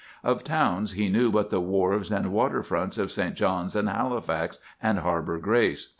Of towns he knew but the wharves and water fronts of St. John's and Halifax and Harbor Grace.